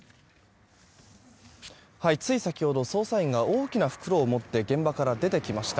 つい先ほど、捜査員が大きな袋を持って現場から出てきました。